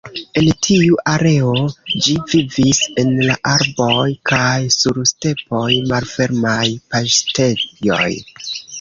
En tiu areo, ĝi vivis en la arboj kaj sur stepoj, malfermaj paŝtejoj.